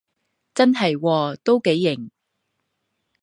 真係喎，都幾型